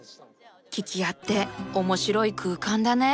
「聞き屋」って面白い空間だね。